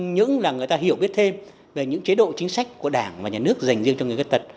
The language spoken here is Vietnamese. những là người ta hiểu biết thêm về những chế độ chính sách của đảng và nhà nước dành riêng cho người khuyết tật